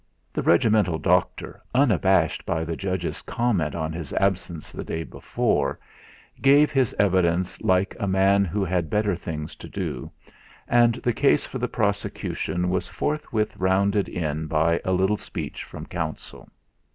The regimental doctor, unabashed by the judge's comment on his absence the day before, gave his evidence like a man who had better things to do, and the case for the prosecution was forthwith rounded in by a little speech from counsel.